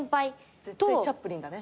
絶対『チャップリン』だね。